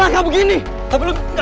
wah gak ada kerjaan apa